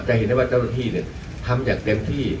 จะเห็นว่าเจ้าหน้าที่เนี่ยทำจากเต็มที่